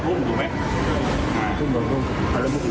เอาแล้วมุมเหลืออะไรไปเอาแล้วเนี่ย